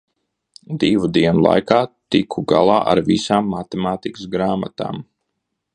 Divu dienu laikā tiku galā ar visām matemātikas grāmatām.